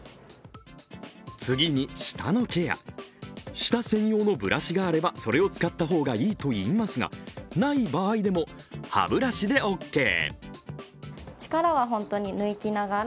舌専用のブラシがあればそれを使った方がいいといいますが、ない場合でも歯ブラシでオーケー。